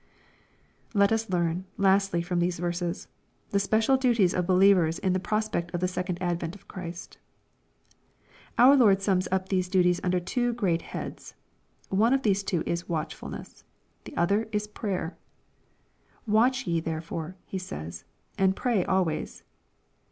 Let us learn, lastly, from these verses, the special duties of believers in the prospect of the second advent of Christ, Our Lord sums up these duties under two great heads. One of these two is watchfulness. The other is prayer. ''Watch ye therefore," He says, "and pray always."